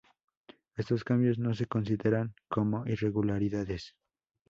Estos cambios no se consideran como irregularidades.